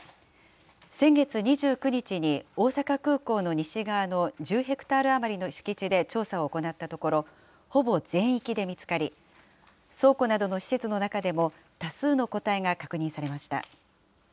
先月２９日に大阪空港の西側の１０ヘクタール余りの敷地で調査を行ったところ、ほぼ全域で見つかり、倉庫などの施設の中でも、多数の個体が確認されました。